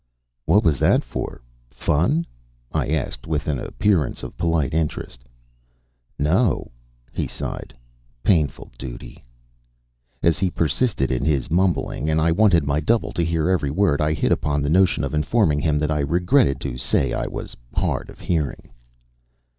"What was that for fun?" I asked, with an appearance of polite interest. "No!" He sighed. "Painful duty." As he persisted in his mumbling and I wanted my double to hear every word, I hit upon the notion of informing him that I regretted to say I was hard of hearing.